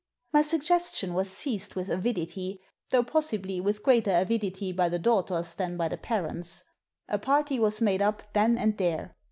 My suggestion was seized with avidity, though possibly with greater avidity by the daughters than by the parents. A party was made up then and there.